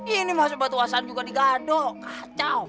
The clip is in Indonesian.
ini mah sempat wasan juga digaduh kacau